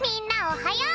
おはよう！